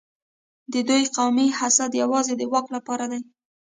د دوی قومي حسد یوازې د واک لپاره دی.